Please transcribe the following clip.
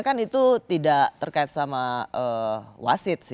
kan itu tidak terkait sama wasit